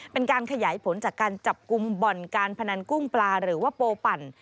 เป็นการขยายผลจากการจับกลุ่มบ่อนการพนันกุ้งปลาหรือว่าโปปั่น